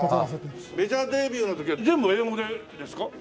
メジャーデビューの時は全部英語でですか？